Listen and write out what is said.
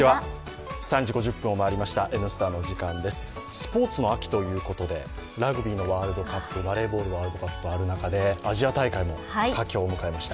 スポーツの秋ということで、ラグビーのワールドカップ、バレーボールのワールドカップある中で、アジア大会も佳境を迎えました。